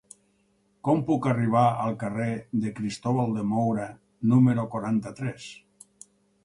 Com puc arribar al carrer de Cristóbal de Moura número quaranta-tres?